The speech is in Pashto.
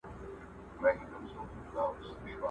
د جرګو ورته راتلله رپوټونه!!